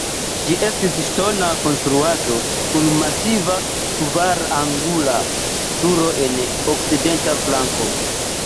Ĝi estis ŝtona konstruaĵo kun masiva kvarangula turo en okcidenta flanko.